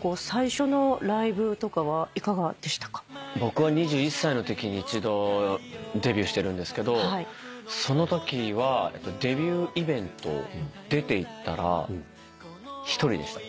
僕は２１歳のときに一度デビューしてるんですけどそのときはデビューイベント出ていったら１人でした。